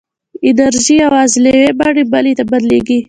انرژي یوازې له یوې بڼې بلې ته بدلېږي.